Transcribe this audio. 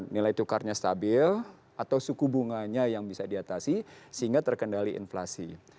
nilai tukarnya stabil atau suku bunganya yang bisa diatasi sehingga terkendali inflasi